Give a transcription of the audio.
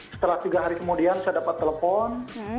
setelah tiga hari kemudian saya dapat telepon